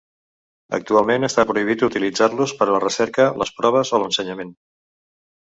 Actualment està prohibit utilitzar-los per a la recerca, les proves o l'ensenyament.